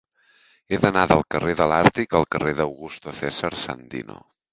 He d'anar del carrer de l'Àrtic al carrer d'Augusto César Sandino.